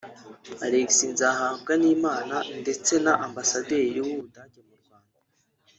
Alex Nzahabwanimana ndetse na Ambasaderi w’u Budage mu Rwanda